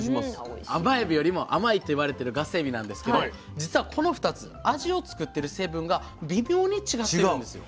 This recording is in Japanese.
甘エビよりも甘いといわれてるガスエビなんですけど実はこの２つ味を作ってる成分が微妙に違ってるんですよ。